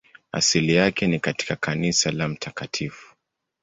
Asili yake ni katika kanisa la Mt.